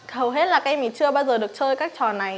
hầu hết là các em mình chưa bao giờ được chơi các trò này